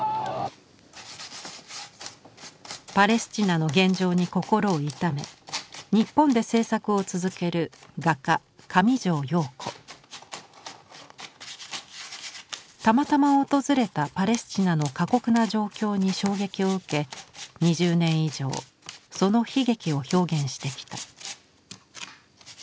パレスチナの現状に心を痛め日本で制作を続けるたまたま訪れたパレスチナの過酷な状況に衝撃を受け２０年以上その悲劇を表現してきた。